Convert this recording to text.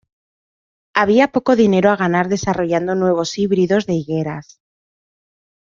Había poco dinero a ganar desarrollando nuevos híbridos de higueras.